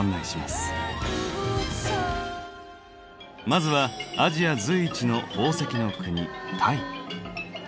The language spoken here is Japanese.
まずはアジア随一の宝石の国タイ。